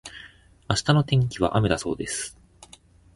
明日の天気は雨だそうです。